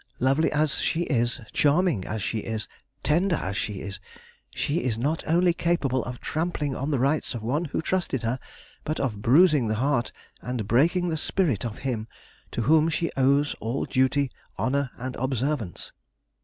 Lovely as she is, charming as she is, tender as she is, she is not only capable of trampling on the rights of one who trusted her, but of bruising the heart and breaking the spirit of him to whom she owes all duty, honor, and observance.